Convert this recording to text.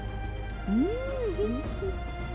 อื้อ